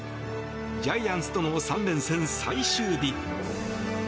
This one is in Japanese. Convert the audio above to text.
ジャイアンツとの３連戦最終日。